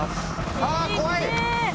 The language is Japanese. ああ怖い。